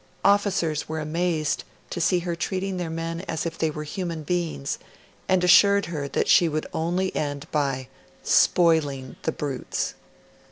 Officers were amazed to see her treating their men as if they were human beings, and assured her that she would only end by 'spoiling the brutes'.